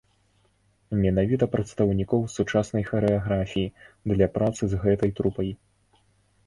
Менавіта прадстаўнікоў сучаснай харэаграфіі для працы з гэтай трупай.